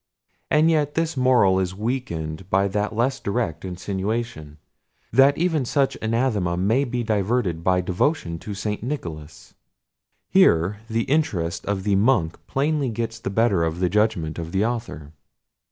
And yet this moral is weakened by that less direct insinuation, that even such anathema may be diverted by devotion to St. Nicholas. Here the interest of the Monk plainly gets the better of the judgment of the author.